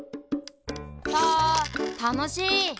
サたのしい！